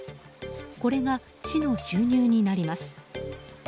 これが市の収入になります。